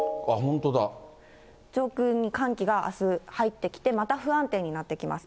上空に寒気があす、入ってきて、また不安定になってきます。